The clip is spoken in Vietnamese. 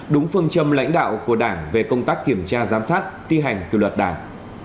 đúng phương châm lãnh đạo của đảng về công tác kiểm tra giám sát thi hành kỷ luật đảng